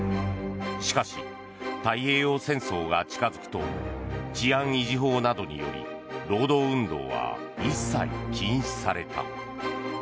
しかし、太平洋戦争が近付くと治安維持法などにより労働運動は一切禁止された。